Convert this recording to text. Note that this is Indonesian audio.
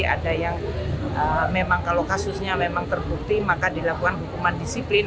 ada yang memang kalau kasusnya memang terbukti maka dilakukan hukuman disiplin